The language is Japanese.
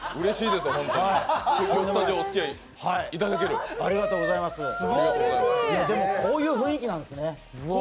でもこういう雰囲気なんですね。